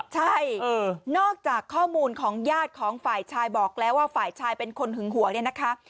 ใช่นอกจากข้อมูลของญาติของฝ่ายชายบอกแล้วว่าฝ่ายชายเป็นคนหึงหวงเนี่ยนะคะ